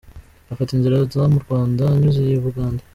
Afata inzira aza mu Rwanda anyuze iy’I Bugande.